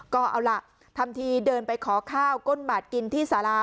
ก็เอาล่ะทำทีเดินไปขอข้าวก้นบาทกินที่สารา